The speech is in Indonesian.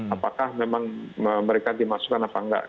apakah memang mereka dimasukkan apa enggak